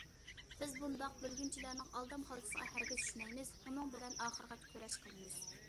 بىز بۇنداق بۆلگۈنچىلەرنىڭ ئالدام خالتىسىغا ھەرگىز چۈشمەيمىز، ئۇنىڭ بىلەن ئاخىرغىچە كۈرەش قىلىمىز.